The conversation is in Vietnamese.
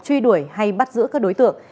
truy đuổi hay bắt giữ các đối tượng